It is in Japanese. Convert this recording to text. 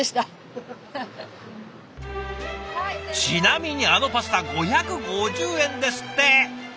ちなみにあのパスタ５５０円ですって！